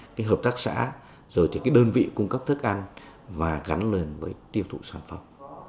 cái hợp tác xã rồi thì cái đơn vị cung cấp thức ăn và gắn liền với tiêu thụ sản phẩm